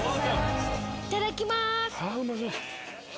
いただきます。